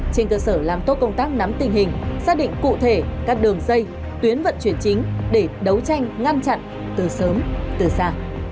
trên cơ sở làm tốt công tác nắm tình hình xác định cụ thể các đường dây tuyến vận chuyển chính để đấu tranh ngăn chặn từ sớm từ xa